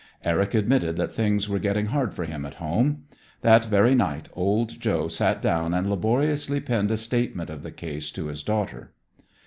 Eric admitted that things were getting hard for him at home. That very night old Joe sat down and laboriously penned a statement of the case to his daughter.